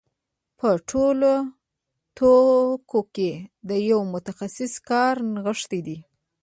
په ټولو توکو کې د یو متخصص کار نغښتی دی